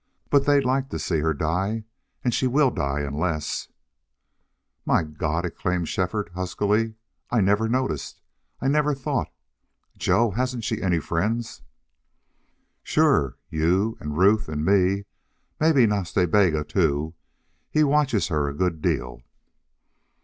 But they'd like to see her die. And she will die unless " "My God!" exclaimed Shefford, huskily. "I never noticed I never thought.... Joe, hasn't she any friends?" "Sure. You and Ruth and me. Maybe Nas Ta Bega, too. He watches her a good deal."